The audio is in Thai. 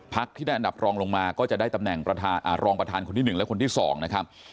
ที่ได้อันดับรองลงมาก็จะได้ตำแหน่งรองประธานคนที่๑และคนที่๒นะครับ